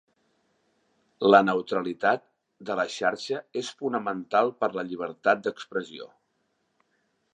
La neutralitat de la xarxa és fonamental per a la llibertat d'expressió.